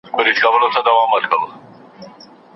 احمد شاهي ښار کومې ځانګړتیاوې لرلې؟